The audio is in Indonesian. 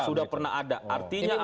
sudah pernah ada artinya